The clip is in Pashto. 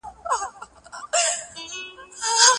تاسو کولای سئ چي په ساده ژبه ولیکئ.